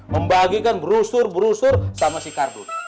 membagikan brusur brusur sama si kardus